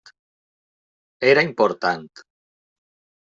Era important.